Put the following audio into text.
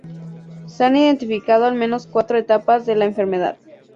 Se han identificado al menos cuatro etapas de la enfermedad.